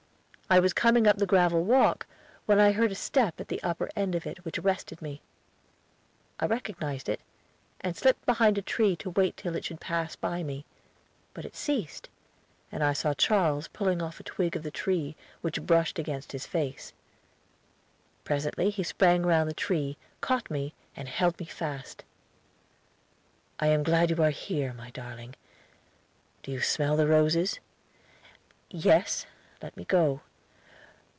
I was coming up the gravel walk when I heard a step at the upper end of it which arrested me. I recognized it, and slipped behind a tree to wait till it should pass by me; but it ceased, and I saw Charles pulling off a twig of the tree, which brushed against his face. Presently he sprang round the tree, caught me, and held me fast. "I am glad you are here, my darling. Do you smell the roses?" "Yes; let me go."